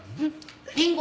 りんご。